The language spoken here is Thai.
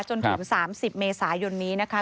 จนถึง๓๐เมษายนนี้นะคะ